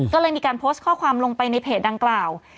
ก็เลยมีการโพสต์ข้อความลงไปในเพจดังกล่าว